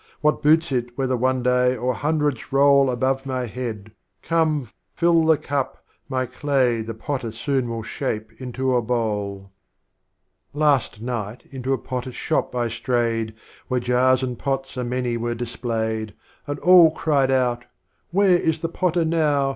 What boots it whether One Day or Hundreds roll Above my Head, come fill the Cup, My Clay The Potter soon will shspe into a Bowl. Strophes of Omar Khayyam. Last Night into a Potter's Shop I strayed, Where Jars and Pots a many were displayed, And All cried out: where is the Potter now.